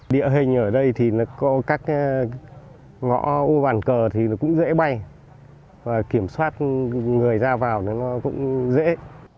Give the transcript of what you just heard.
địa hình ở đây thì có các ngõ u bàn cờ thì cũng dễ bay và kiểm soát người ra vào nó cũng dễ